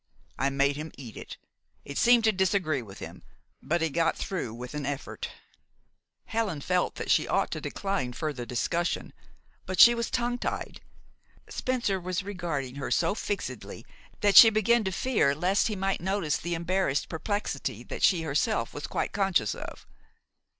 I made him eat it. It seemed to disagree with him; but he got through with an effort." Helen felt that she ought to decline further discussion. But she was tongue tied. Spencer was regarding her so fixedly that she began to fear lest he might notice the embarrassed perplexity that she herself was quite conscious of.